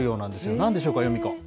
なんでしょうか、ヨミ子。